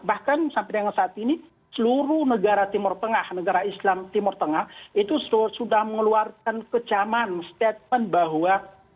bahkan sampai dengan saat ini seluruh negara timur tengah negara islam timur tengah itu sudah mengeluarkan kecaman statement bahwa